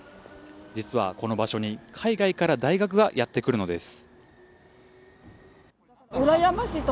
実はこの場所に、海外から大学がやってくるのです。